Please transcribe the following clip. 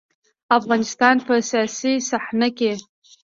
د افغانستان په سياسي صحنه کې.